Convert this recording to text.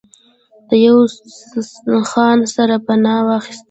د يو خان سره پناه واخسته